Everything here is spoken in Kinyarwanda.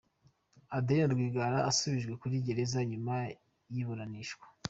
Adeline Rwigara asubijwe kuri gereza nyuma y’iburanishwa